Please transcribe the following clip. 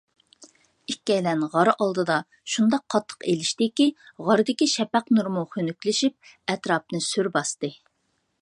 ئىككىيلەن غار ئالدىدا شۇنداق قاتتىق ئېلىشتىكى، غاردىكى شەپەق نۇرىمۇ خۇنۈكلىشىپ، ئەتراپنى سۈر باستى.